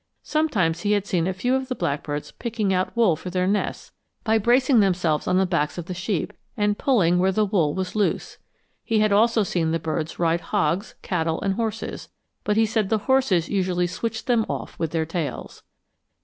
Sometimes he had seen a few of the blackbirds picking out wool for their nests by bracing themselves on the backs of the sheep, and pulling where the wool was loose. He had also seen the birds ride hogs, cattle, and horses; but he said the horses usually switched them off with their tails.